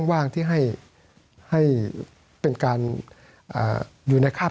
สวัสดีครับทุกคน